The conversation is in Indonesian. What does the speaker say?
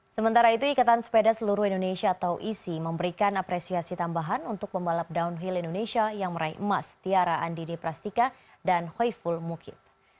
sementara itu ikatan sepeda seluruh indonesia atau isi memberikan apresiasi tambahan untuk pembalap downhill indonesia yang meraih emas tiara andini prastika dan hoiful mukib